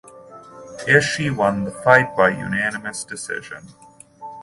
Ishii won the fight by unanimous decision.